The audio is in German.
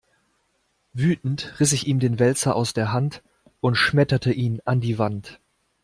Wütend riss ich ihm den Wälzer aus der Hand und schmetterte ihn an die Wand.